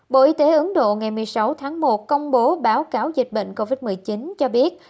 bộ y tế ấn độ ngày một mươi sáu tháng một công bố báo cáo dịch bệnh covid một mươi chín cho biết